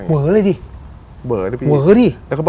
เวอะเลยสิเวอะเลยสิ